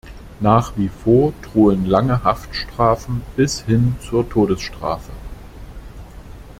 Nach wie vor drohen lange Haftstrafen bis hin zur Todesstrafe.